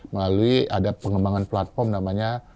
melalui ada pengembangan platform namanya